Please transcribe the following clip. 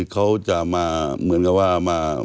เขาจะมาเหมือนกับว่ามา